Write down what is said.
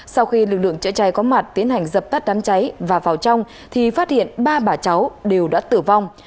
sau khi lực lượng chữa cháy có mặt tiến hành dập tắt đám cháy và vào trong thì phát hiện ba bà cháu đều đã tử vong